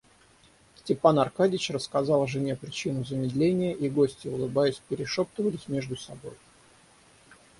Степан Аркадьич рассказал жене причину замедления, и гости улыбаясь перешептывались между собой.